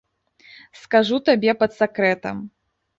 Скажу табе пад сакрэтам.